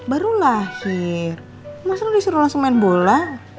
baru lahir masa lu disuruh langsung main bola